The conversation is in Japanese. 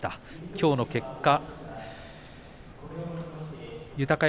きょうの結果。